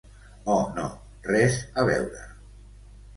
Oh, no, res a veure!